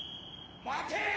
待て！